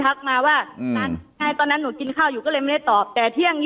แต่คุณยายจะขอย้ายโรงเรียน